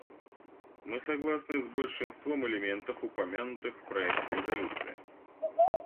Мы согласны с большинством элементов, упомянутых в проекте резолюции.